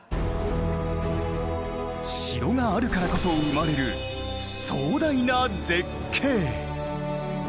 城があるからこそ生まれる壮大な絶景。